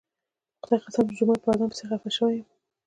په خدای قسم چې د جومات په اذان پسې خپه شوی یم.